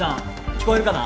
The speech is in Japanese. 聞こえるかな。